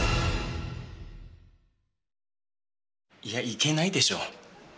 いやいけないでしょう。